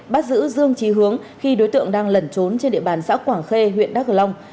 bắt giữ dương trí hướng khi đối tượng đang lẩn trốn trên địa bàn xã quảng khê huyện đắk long